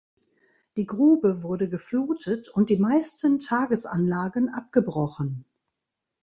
Die Grube wurde geflutet und die meisten Tagesanlagen abgebrochen.